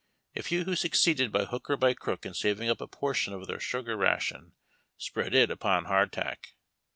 A few who succeeded by hook or by crook in saving up a portion of their sugar ration spread it \\])0\\ hardtack.